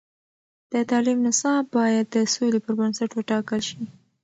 د تعلیم نصاب باید د سولې پر بنسټ وټاکل شي.